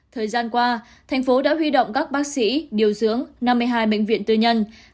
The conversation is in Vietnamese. thời gian qua thành phố đã huy động các bác sĩ điều dưỡng năm mươi hai bệnh viện tư nhân